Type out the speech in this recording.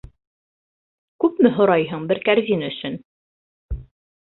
Күпме һорайһың бер кәрзин өсөн?